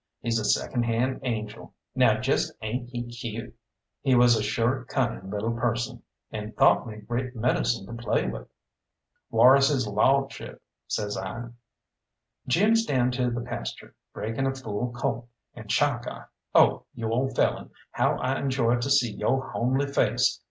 He's a second hand angel. Now jest ain't he cute?" He was a sure cunning little person, and thought me great medicine to play with. "Whar is his lawdship?" says I. "Jim's down to the pasture, breaking a fool colt, and Chalkeye oh, you ole felon, how I enjoy to see yo' homely face!